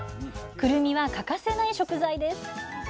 くるみは欠かせない食材です。